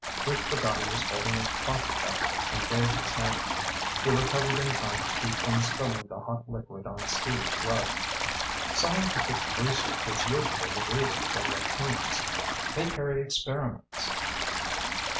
Rick forgot he was holding a coffee cup and waved his hand. He recovered in time to keep from spilling the hot liquid on Steve's rug. "Scientific research is usually the reason for rockoons. They carry experiments."